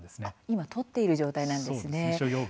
今、取っている状態なんですね。